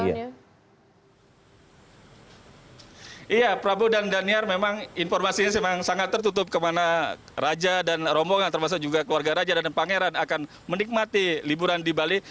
iya prabu dan daniar memang informasinya memang sangat tertutup kemana raja dan rombongan termasuk juga keluarga raja dan pangeran akan menikmati liburan di bali